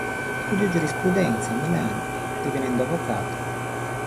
Studiò giurisprudenza a Milano, divenendo avvocato.